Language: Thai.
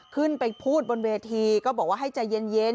ขึ้นไปพูดบนเวทีก็บอกว่าให้ใจเย็น